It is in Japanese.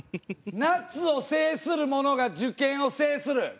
夏を制する者が受験を制する。